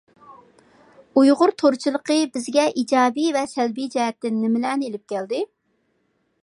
ئۇيغۇر تورچىلىقى بىزگە ئىجابىي ۋە سەلبىي جەھەتتىن نېمىلەرنى ئېلىپ كەلدى؟